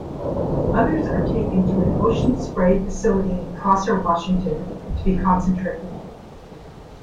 Others are taken to an Ocean Spray facility in Prosser, Washington, to be concentrated.